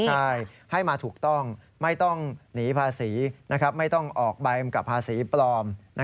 ใช่ให้มาถูกต้องไม่ต้องหนีภาษีไม่ต้องออกใบกำกับภาษีปลอม